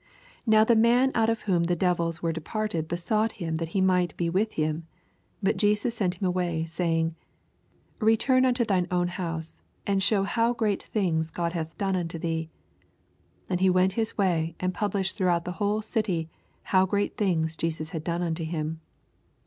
88 Now the man out of whom the devils were departed besought him that he might be with him : but Jesus sent him away, saying. 89 Beturn to thine own house, and shew how great things God hath done unto thee. And he went his way, and gublished throughout the whole city ow great things Jesus had done unto him.